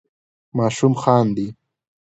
ماشوم خاندي.